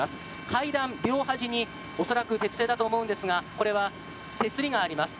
階段両端に恐らく鉄製だと思うんですがこれは手すりがあります。